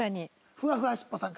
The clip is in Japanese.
ふわふわしっぽさん